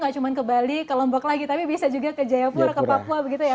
gak cuma ke bali ke lombok lagi tapi bisa juga ke jayapura ke papua begitu ya